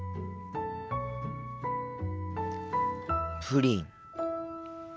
プリン。